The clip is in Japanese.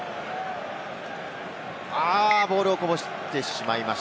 ボールをこぼしてしまいました。